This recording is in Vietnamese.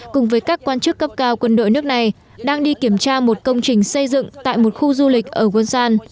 cùng với các quan chức cấp cao quân đội nước này đang đi kiểm tra một công trình xây dựng tại một khu du lịch ở wonsan